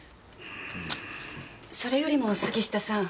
それよりも杉下さん